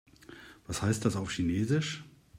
Was heißt das auf Chinesisch?